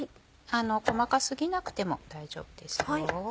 細か過ぎなくても大丈夫ですよ。